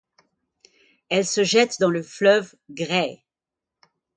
Elle se jette dans le fleuve Grey.